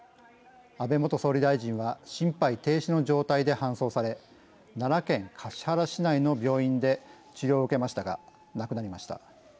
安倍元総理大臣は心肺停止の状態で搬送され奈良県橿原市内の病院で治療を受けましたが亡くなりました。